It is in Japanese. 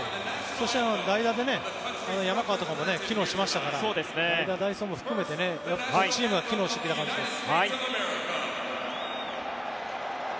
そして、代打で山川とかも機能しましたから代打、代走も含めてやっとチームが機能してきた感じです。